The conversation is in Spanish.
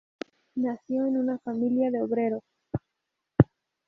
Nació en una familia de obreros.